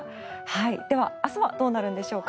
では、明日はどうなるんでしょうか。